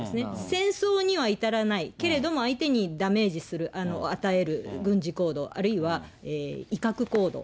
戦争には至らない、けれども相手にダメージを与える軍事行動、あるいは、威嚇行動。